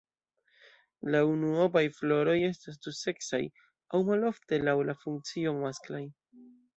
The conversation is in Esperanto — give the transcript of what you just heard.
La unuopaj floroj estas duseksaj aŭ malofte laŭ la funkcio masklaj.